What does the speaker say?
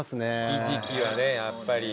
ひじきはねやっぱり。